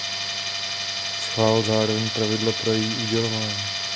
Schválil zároveň pravidla pro její udělování.